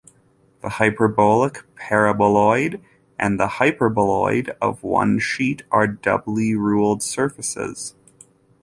The hyperbolic paraboloid and the hyperboloid of one sheet are doubly ruled surfaces.